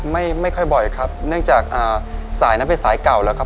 ไม่ค่อยบ่อยครับเนื่องจากอ่าสายนั้นเป็นสายเก่าแล้วครับ